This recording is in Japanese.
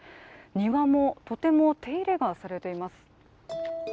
庭もとても手入れがされています。